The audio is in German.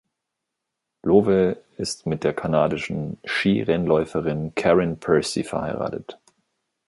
Lowe ist mit der kanadischen Skirennläuferin Karen Percy verheiratet.